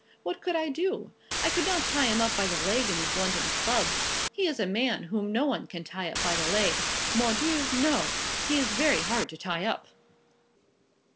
What could I do? I could not tie him up by the leg in his London club. He is a man whom no one can tie up by the leg. Mon Dieu, no. He is very hard to tie up.